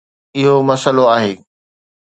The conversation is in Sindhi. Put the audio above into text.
اهو مسئلو آهي.